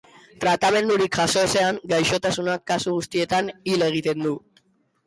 Tratamendurik jaso ezean, gaixotasunak kasu guztietan hil egiten du.